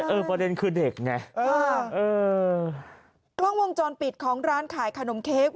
ประเด็นคือเด็กไงเออเออกล้องวงจรปิดของร้านขายขนมเค้ก